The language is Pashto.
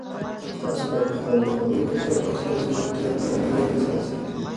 تاسو باید په خپلو خوړو کې د غوښې او سبزیجاتو ترمنځ انډول وساتئ.